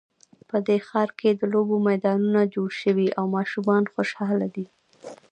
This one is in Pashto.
په دې ښار کې د لوبو میدانونه جوړ شوي او ماشومان خوشحاله دي